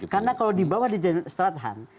karena kalau di bawah di jalan setelah tahan